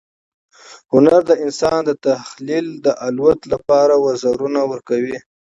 هنر د انسان د تخیل د الوت لپاره وزرونه ورکوي.